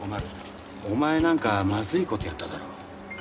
お前なんかまずい事やっただろ？